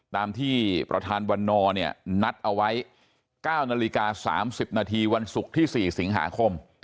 ตามที่ประทานวันนอร์เนี่ยนัดเอาไว้๙น๓๐วที่๔สิค